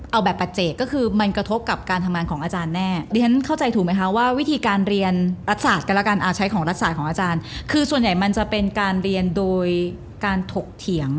เอาแบบประเจกก็คือมันกระทบกับการทำงานของอาจารย์แน่